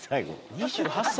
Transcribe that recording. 「２８歳？